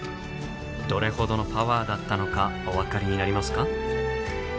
どれほどのパワーだったのかお分かりになりますか？